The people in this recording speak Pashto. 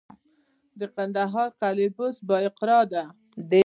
د کندهار قلعه بست د بایقرا ده